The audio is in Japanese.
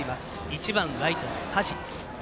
１番ライトの梶。